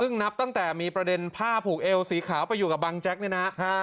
ซึ่งนับตั้งแต่มีประเด็นผ้าผูกเอวสีขาวไปอยู่กับบังแจ๊กเนี่ยนะฮะ